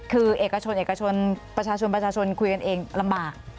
คือเอกชนเอกชนประชาชนประชาชนประชาชนคุยกันเองลำบาก